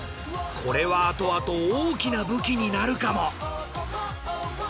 これはあとあと大きな武器になるかも。